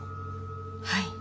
はい。